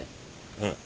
うん